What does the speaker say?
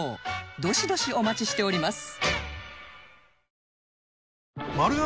どしどしお待ちしております